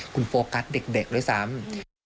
คุณโฟกัสเด็กด้วยซ้ำ